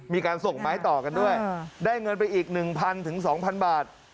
มีการส่งไม้ต่อกันด้วยได้เงินไปอีกหนึ่งพันถึงสองพันบาท